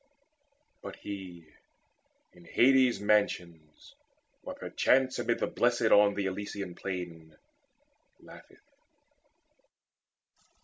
But he in Hades' mansions, or perchance Amid the Blessed on the Elysian Plain, Laugheth.